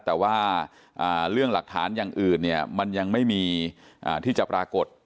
แต่ว่าเรื่องหลักฐานอย่างอื่นเนี่ยมันยังไม่มีที่จะปรากฏ